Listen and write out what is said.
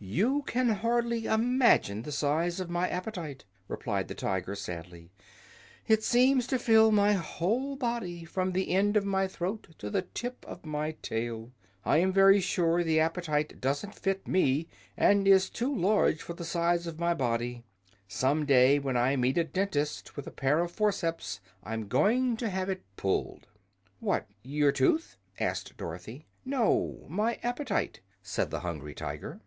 "You can hardly imagine the size of my appetite," replied the Tiger, sadly. "It seems to fill my whole body, from the end of my throat to the tip of my tail. I am very sure the appetite doesn't fit me, and is too large for the size of my body. Some day, when I meet a dentist with a pair of forceps, I'm going to have it pulled." "What, your tooth?" asked Dorothy. "No, my appetite," said the Hungry Tiger.